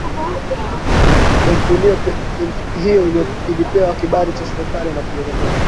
benki hiyo ilipewa kibali na serikali ya ujerumani